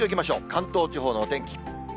関東地方のお天気。